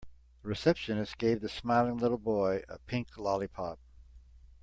The receptionist gave the smiling little boy a pink lollipop.